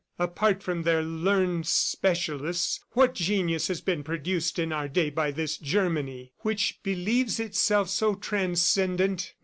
... Apart from their learned specialists, what genius has been produced in our day by this Germany which believes itself so transcendent?